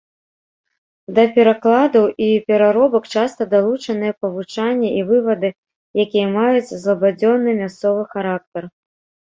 Да перакладаў і пераробак часта далучаныя павучанні і вывады, якія маюць злабадзённы мясцовы характар.